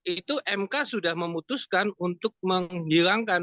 itu mk sudah memutuskan untuk menghilangkan